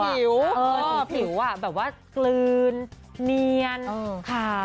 ผิวผิวแบบว่ากลืนเนียนขา